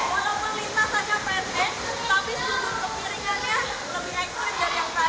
walaupun lintas saja pendek tapi sudut kepiringannya lebih ekstrem dari yang tadi